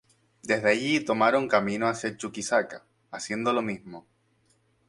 Desde allí tomaron camino hacia Chuquisaca, haciendo lo mismo.